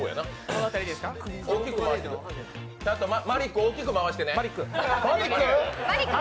マリック、大きく回してね。